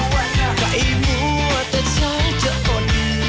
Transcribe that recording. ใครรู้ว่าแต่ฉันจะอ่อน